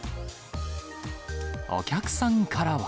お客さんからは。